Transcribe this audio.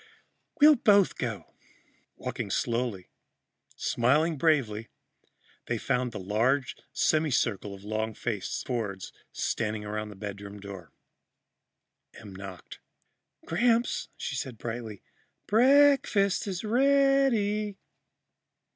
"We'll both go." Walking slowly, smiling bravely, they found a large semi circle of long faced Fords standing around the bedroom door. Em knocked. "Gramps," she called brightly, "break fast is rea dy."